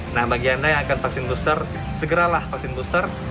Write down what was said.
nah bagi anda yang akan vaksin booster segeralah vaksin booster